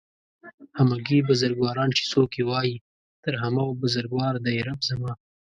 همگي بزرگواران چې څوک يې وايي تر همه و بزرگوار دئ رب زما